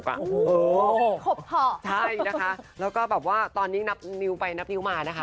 โอ้โหใช่นะคะแล้วก็แบบว่าตอนนี้นับนิ้วไปนับนิ้วมานะคะ